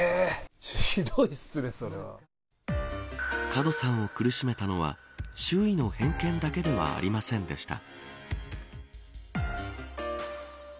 門さんを苦しめたのは周囲の偏見だけではありませんでした。